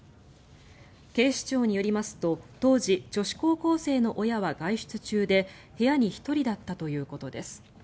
警視庁によりますと当時、女子高校生の親は外出中で部屋に１人だったということです。